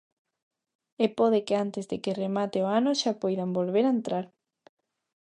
E pode que antes de que remate o ano xa poidan volver a entrar.